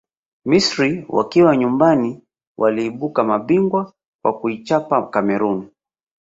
misri wakiwa nyumbani waliibuka mabingwa kwa kuichapa cameroon